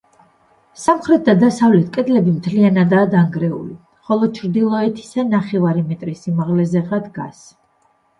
სამხრეთ და დასავლეთ კედლები მთლიანადაა დანგრეული, ხოლო ჩრდილოეთისა ნახევარი მეტრის სიმაღლეზეღა დგას.